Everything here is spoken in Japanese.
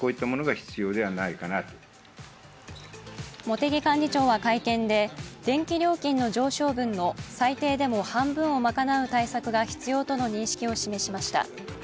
茂木幹事長は会見で、電気料金の上昇分の最低でも半分を賄う対策が必要との認識を示しました。